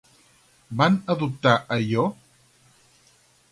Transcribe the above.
Van adoptar a Ió?